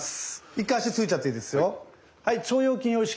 一回足ついちゃっていいですよ。